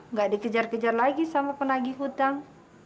nggak dikejar kejar lagi sama penagih utang